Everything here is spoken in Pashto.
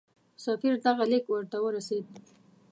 سفیر دغه لیک ورته ورسېد.